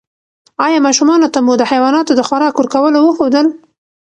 ایا ماشومانو ته مو د حیواناتو د خوراک ورکولو وښودل؟